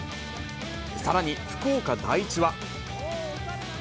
さらに福岡第一は。